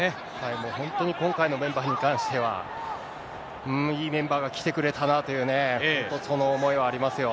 もう本当に今回のメンバーに関しては、いいメンバーが来てくれたなという、その思いはありますよ。